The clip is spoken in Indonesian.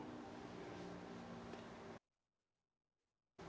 kementerian keuangan menyesalkan salinan surat internal pemerintah dari kementerian keuangan